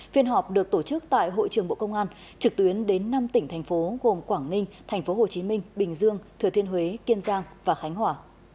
phiên họp được tổ chức tại hội trưởng bộ công an trực tuyến đến năm tỉnh thành phố gồm quảng ninh thành phố hồ chí minh bình dương thừa thiên huế kiên giang và khánh hòa